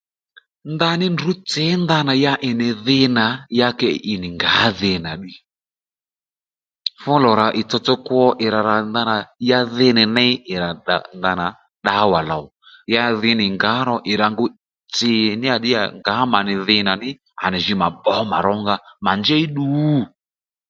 Ndaní ndrǔ tsǐ ndanà ya ì nì dhi nà yakě ì nì ngǎ dhi nà ddiy fúlò rà ìtsotso kwo ì ra ra ndanà ya dhi nì ney ì rà da ndana ddawa lòw ya dhi nì ngǎro ì rà ngu tsì níyà díyà ngǎ mà nì dhi nà ddí à nì jǐ mà bbǒ mà rónga mà njěy ddu?